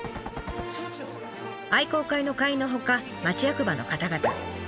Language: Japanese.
愛好会の会員のほか町役場の方々。